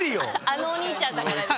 あのお兄ちゃんだからです。